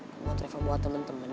ke rumah reva buat temen temennya